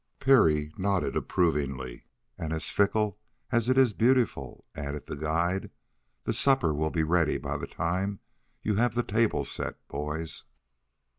Parry nodded approvingly. "And as fickle as it is beautiful," added the guide. "The supper will be ready by the time you have the table set, boys."